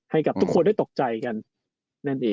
ไม่กับทุกคนได้ตกใจกัน